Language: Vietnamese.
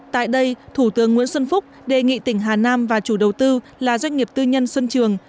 tại đây thủ tướng nguyễn xuân phúc đề nghị tỉnh hà nam và chủ đầu tư là doanh nghiệp tư nhân xuân trường